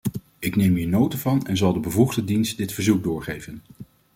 Ik neem hier nota van en zal de bevoegde dienst dit verzoek doorgeven.